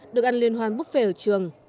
được ăn liên hoan buffet ở trường